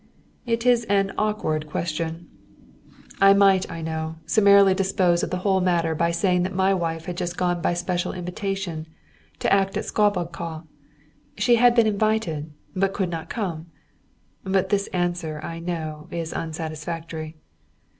It is an awkward question. I might, I know, summarily dispose of the whole matter by saying that my wife had just gone, by special invitation, to act at Szabadka; she had been invited, but could not come. But this answer, I know, is unsatisfactory.